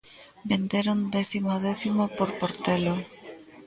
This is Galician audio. Venderon décimo a décimo por portelo.